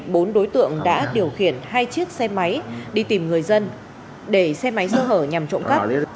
bốn đối tượng đã điều khiển hai chiếc xe máy đi tìm người dân để xe máy sơ hở nhằm trộm cắp